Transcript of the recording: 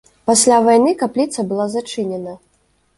Пасля вайны капліца была зачынена.